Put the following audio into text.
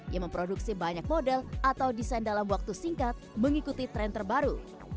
yang memproduksi banyak model atau desain dalam waktu singkat mengikuti tren terbaru